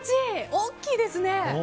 大きいですね。